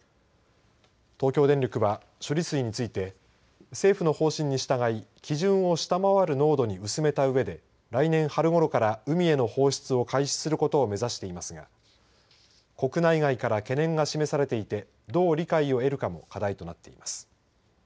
東京電力は処理水について政府の方針に従い、基準を下回る濃度に薄めたうえで来年春ごろから海への放出を開始することを目指していますが国内外から懸念が示されていてどう理解を得るかも課題となっています。